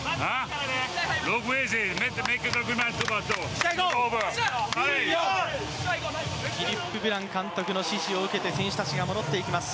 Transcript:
フィリップ・ブラン監督の指示を受けて選手たちが戻ってきます